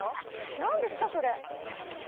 何ですかそれ？